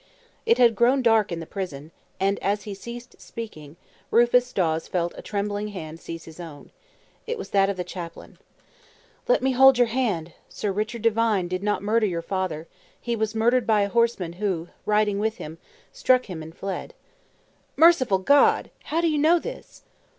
It had grown dark in the prison, and as he ceased speaking, Rufus Dawes felt a trembling hand seize his own. It was that of the chaplain. "Let me hold your hand! Sir Richard Devine did not murder your father. He was murdered by a horseman who, riding with him, struck him and fled." "Merciful God! How do you know this?"